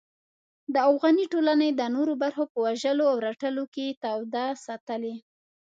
د افغاني ټولنې د نورو برخو په وژلو او رټلو کې توده ساتلې.